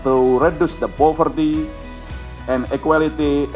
untuk mengurangkan kemurahan keadilan dan kegiatan